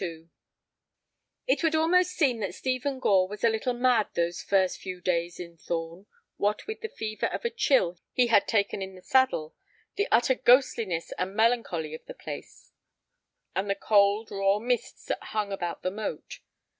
XLII It would almost seem that Stephen Gore was a little mad those first few days in Thorn, what with the fever of a chill he had taken in the saddle, the utter ghostliness and melancholy of the place, and the cold, raw mists that hung about the moat.